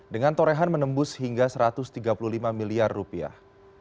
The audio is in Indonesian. dengan torehan menembus hingga satu ratus tiga puluh lima miliar rupiah